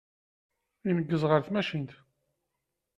Ineggez ɣer tmacint.